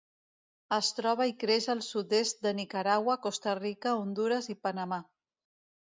Es troba i creix al sud-est de Nicaragua, Costa Rica, Hondures i Panamà.